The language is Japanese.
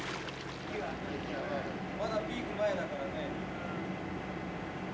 まだピーク前だからね。